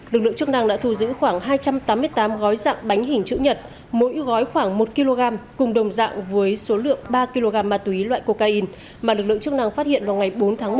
lực lượng chức năng đã thu giữ khoảng hai trăm tám mươi tám gói dạng bánh hình chữ nhật mỗi gói khoảng một kg cùng đồng dạng với số lượng ba kg ma túy loại cocaine mà lực lượng chức năng phát hiện vào ngày bốn tháng một